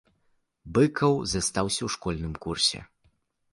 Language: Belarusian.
Быкаў застаўся ў школьным курсе.